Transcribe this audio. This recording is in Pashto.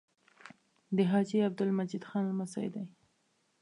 د حاجي عبدالمجید خان لمسی دی.